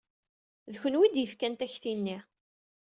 D kenwi ay d-yefkan takti-nni.